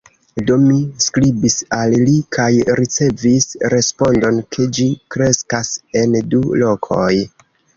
Do, mi skribis al li kaj ricevis respondon, ke ĝi kreskas en du lokoj.